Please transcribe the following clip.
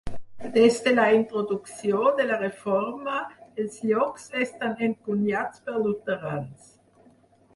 Des de la introducció de la reforma, els llocs estan encunyats per luterans.